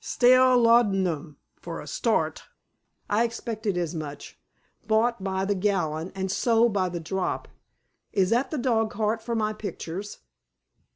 "Stale laudanum, for a start. I expected as much. Bought by the gallon and sold by the drop. Is that the dogcart with my pictures?"